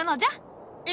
え